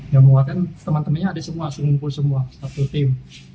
yang menguatkan teman temannya ada semua ngumpul semua satu tim